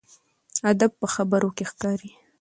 ادب په خبرو کې ښکاري.